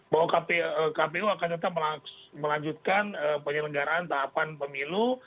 bahwa kpu akan tetap melanjutkan penyelenggaraan tahapan pemilu